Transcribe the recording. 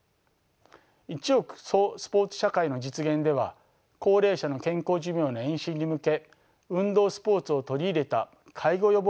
一億総スポーツ社会の実現では高齢者の健康寿命の延伸に向け運動スポーツを取り入れた介護予防プログラムを推進するとともに